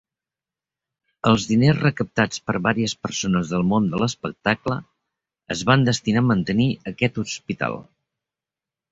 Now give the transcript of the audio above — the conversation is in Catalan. Els diners recaptats per varies persones del món de l'espectacle es van destinar a mantenir aquest hospital.